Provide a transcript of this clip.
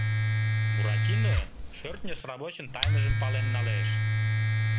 Буратино шӧртньӧ сравочын тайныжым пален налеш.